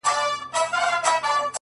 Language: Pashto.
• راته زړه ويل چي وځغله پټېږه,